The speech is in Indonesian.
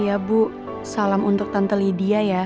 iya bu salam untuk tante lydia ya